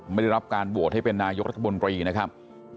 ไม่ได้รับการโหวตให้เป็นนายกรัฐมนตรีนะครับ